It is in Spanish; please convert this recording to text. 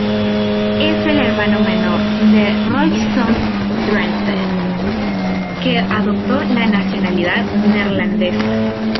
Es el hermano menor de Royston Drenthe que adoptó la nacionalidad neerlandesa.